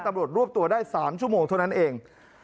รวบตัวได้๓ชั่วโมงเท่านั้นเอง